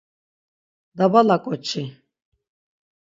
Dabala ǩoçi!